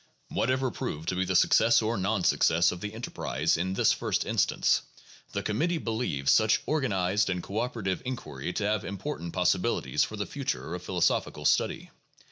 Whatever prove to be the success or non success of the enterprise in this first instance, the committee believes such organized and co operative inquiry to have important possibilities for the future of philosophical study.